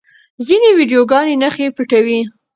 ځینې ویډیوګانې نښې پټوي.